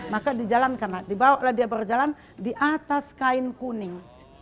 maka dijalankanlah dibawalah dia berjalan di atas kain kuning